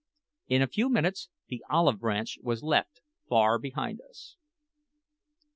In a few minutes the Olive Branch was left far behind us.